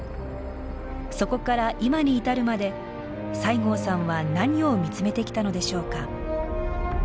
そこから今に至るまで西郷さんは何を見つめてきたのでしょうか？